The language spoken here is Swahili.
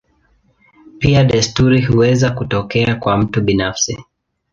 Pia desturi huweza kutokea kwa mtu binafsi.